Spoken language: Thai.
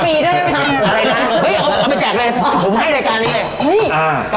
ผมให้ในการนี้เลย